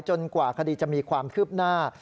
กว่าคดีจะมีความคืบหน้า